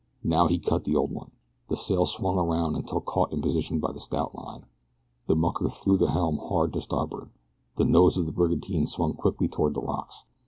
Now he cut the old one. The sail swung around until caught in position by the stout line. The mucker threw the helm hard to starboard. The nose of the brigantine swung quickly toward the rocks.